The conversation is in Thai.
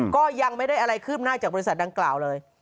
ก็ยังไม่ได้อะไรคืบหน้าจากบริษัทดังกล่าวเลย